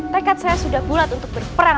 tekad saya sudah bulat untuk berperang